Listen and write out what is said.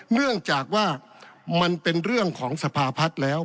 เนื่องจากว่ามันเป็นเรื่องของสภาพัฒน์แล้ว